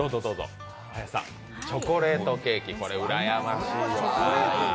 林さん、チョコレートケーキ、これうらやましいな。